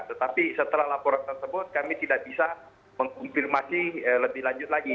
tetapi setelah laporan tersebut kami tidak bisa mengkonfirmasi lebih lanjut lagi